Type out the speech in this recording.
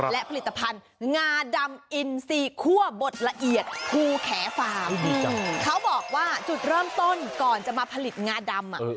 และผลิตภัณฑ์งาดำอินซีคั่วบดละเอียดภูแขฟาร์มเขาบอกว่าจุดเริ่มต้นก่อนจะมาผลิตงาดำ